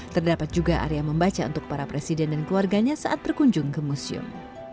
terdapat juga area membaca untuk para presiden dan keluarganya saat berkunjung ke museum